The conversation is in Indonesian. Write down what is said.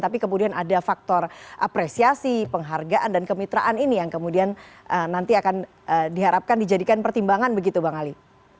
tapi kemudian ada faktor apresiasi penghargaan dan kemitraan ini yang kemudian nanti akan diharapkan dijadikan pertimbangan begitu bang ali